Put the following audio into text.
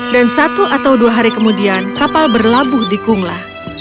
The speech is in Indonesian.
dan satu atau dua hari kemudian kapal berlabuh di kungla